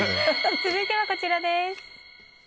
続いてはこちらです。